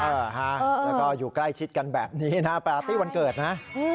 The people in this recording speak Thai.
แล้วก็อยู่ใกล้ชิดกันแบบนี้นะปาร์ตี้วันเกิดนะ